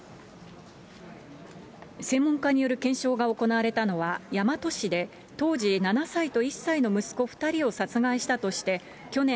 専門家による検証が行われたのは大和市で、当時７歳と１歳の息子２人を殺害したとして、去年、